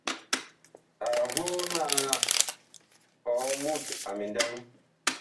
Ag voo liala ɔɔ mut a mindaŋ.